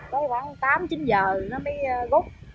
với khoảng tám chín giờ nó mới gút